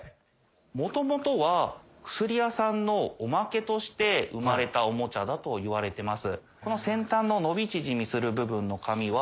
元々は薬屋さんのおまけとして生まれたおもちゃだといわれてます。